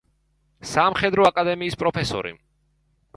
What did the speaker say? სამხედრო აკადემიის პროფესორი.